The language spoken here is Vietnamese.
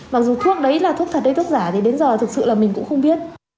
mặc dù thuốc đấy là thuốc thật đây thuốc giả thì đến giờ thực sự là mình cũng không biết